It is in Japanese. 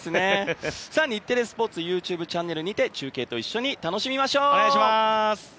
日テレスポーツＹｏｕｔｕｂｅチャンネルにて、中継と一緒に楽しみましょう。